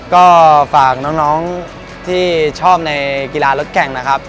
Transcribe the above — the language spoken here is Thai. ก็ฝากน้องที่ชอบในกีฬารถแข่งนะครับ